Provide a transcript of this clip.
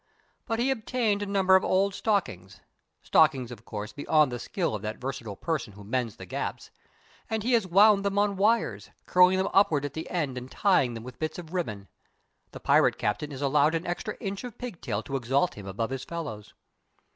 But he obtained a number of old stockings stockings, of course, beyond the skill of that versatile person who mends the gaps and he has wound them on wires, curling them upward at the end and tieing them with bits of ribbon. The pirate captain is allowed an extra inch of pigtail to exalt him above his fellows.